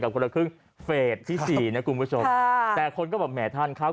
คนละครึ่งเฟสที่สี่นะคุณผู้ชมแต่คนก็แบบแหมท่านครับ